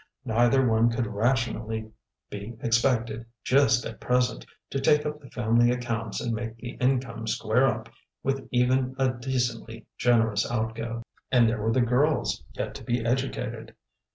Neither one could rationally be expected, "just at present," to take up the family accounts and make the income square up with even a decently generous outgo. And there were the girls yet to be educated.